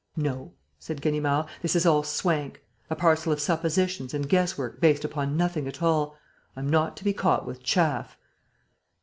"No," said Ganimard, "this is all swank: a parcel of suppositions and guesswork based upon nothing at all. I'm not to be caught with chaff."